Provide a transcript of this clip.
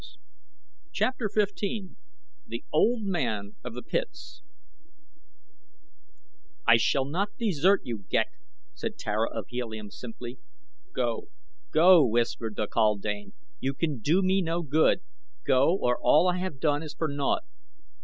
Go!" CHAPTER XV THE OLD MAN OF THE PITS "I shall not desert you, Ghek," said Tara of Helium, simply. "Go! Go!" whispered the kaldane. "You can do me no good. Go, or all I have done is for naught."